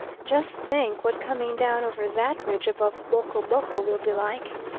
Just think what coming down over that ridge above Boko Boko will be like!